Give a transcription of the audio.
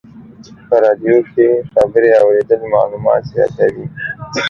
په رادیو کې خبرې اورېدل معلومات زیاتوي.